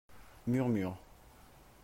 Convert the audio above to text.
Murmures.